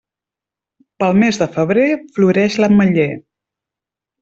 Pel mes de febrer floreix l'ametller.